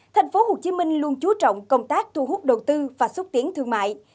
thành phố hồ chí minh luôn chú trọng công tác thu hút đầu tư và xúc tiến thương mại